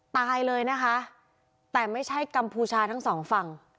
ตายเลยนะคะแต่ไม่ใช่กัมพูชาทั้งสองฝั่ง